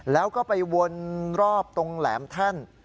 แล้วก็ไปวนรอบตรงแหลมแท่น